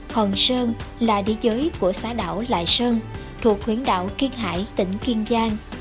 hòn sơn là địa giới của xã đảo lại sơn thuộc huyện đảo kiên hải tỉnh kiên giang